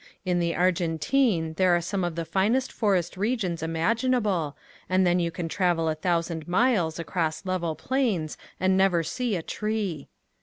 In the Argentine there are some of the finest forest regions imaginable and then you can travel a thousand miles across level plains and never see a tree.